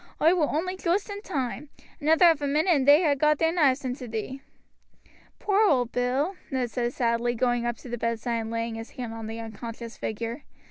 Oi war only joost in toime, another quarter of a minute and they'd ha' got their knives into thee." "Poor old Bill," Ned said sadly, going up to the bedside and laying his hand on the unconscious figure.